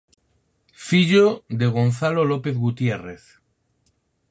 Fillo de Gonzalo López Gutiérrez.